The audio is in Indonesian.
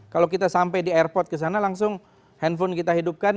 kalau kita sampai di airport ke sana langsung handphone kita hidupkan